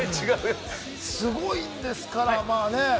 すごいんですから！